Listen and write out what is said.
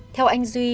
theo anh duy